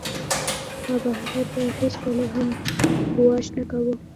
ما به هغه ته هېڅکله هم ګواښ نه کاوه